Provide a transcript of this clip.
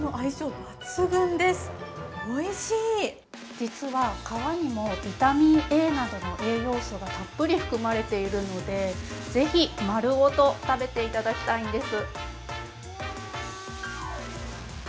実は皮にもビタミンＡなどの栄養がたっぷり含まれているのでぜひ丸ごと食べていただきたいんです。